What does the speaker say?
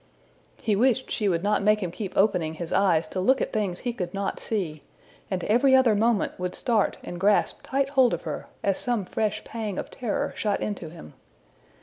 '' He wished she would not make him keep opening his eyes to look at things he could not see; and every other moment would start and grasp tight hold of her, as some fresh pang of terror shot into him.